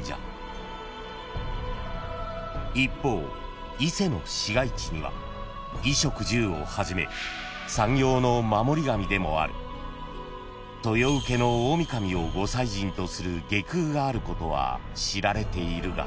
［一方伊勢の市街地には衣食住をはじめ産業の守り神でもある豊受大御神をご祭神とする外宮があることは知られているが］